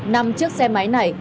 nằm trước xe máy này